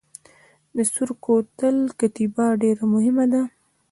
د سور کوتل کتیبه ډیره مهمه ده